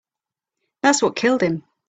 That's what killed him.